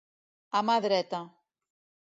A mà dreta.